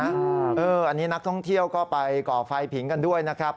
อันนี้นักท่องเที่ยวก็ไปก่อไฟผิงกันด้วยนะครับ